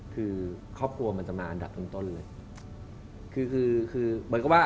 คือครอบครัวมันจะมาดับตั้งต้นเลย